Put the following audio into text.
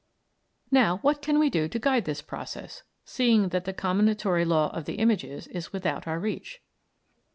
Now what can we do to guide this process, seeing that the combinatory law of the images is without our reach?